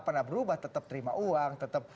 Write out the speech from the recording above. pernah berubah tetap terima uang tetap